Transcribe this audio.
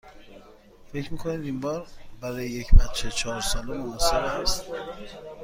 فکر می کنید این برای یک بچه چهار ساله مناسب است؟